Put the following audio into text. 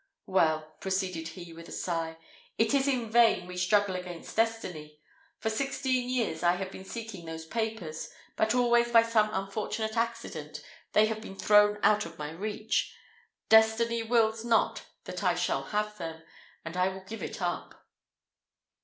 "Well," proceeded he, with a sigh, "it is in vain we struggle against destiny. For sixteen years I have been seeking those papers, but always by some unfortunate accident they have been thrown out of my reach; destiny wills not that I shall have them, and I will give it up."